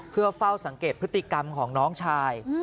เพื่อเฝ้าสังเกตพฤติกรรมของน้องชาย